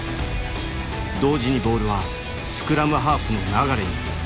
同時にボールはスクラムハーフの流に。